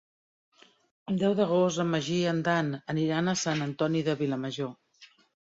El deu d'agost en Magí i en Dan aniran a Sant Antoni de Vilamajor.